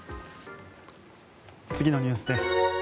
次のニュースです。